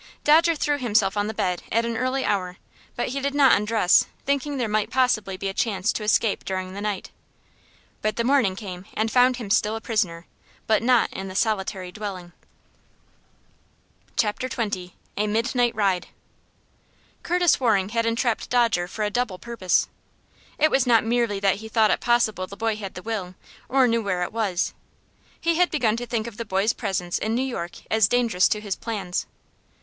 Dodger threw himself on the bed at an early hour, but he did not undress, thinking there might possibly be a chance to escape during the night. But the morning came and found him still a prisoner, but not in the solitary dwelling. Chapter XX. A Midnight Ride. Curtis Waring had entrapped Dodger for a double purpose. It was not merely that he thought it possible the boy had the will, or knew where it was. He had begun to think of the boy's presence in New York as dangerous to his plans.